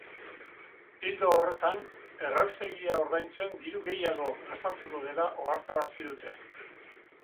Ildo horretan, erraustegia ordaintzen diru gehiago gastatuko dela ohartarazi dute.